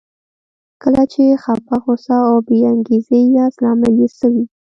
کله چې خپه، غوسه او بې انګېزې ياست لامل يې څه وي؟